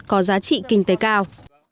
có giá trị kinh tế cao